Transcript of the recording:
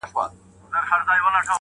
چې دوی د ظالم خلاف غږ ونکړ